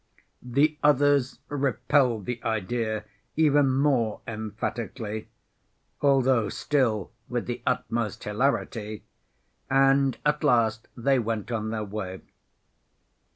The others repelled the idea even more emphatically, although still with the utmost hilarity, and at last they went on their way.